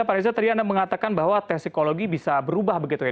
pak reza tadi anda mengatakan bahwa tes psikologi bisa berubah begitu ya